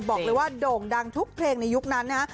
บอกเลยว่าโด่งดังทุกเพลงในยุคนั้นนะฮะ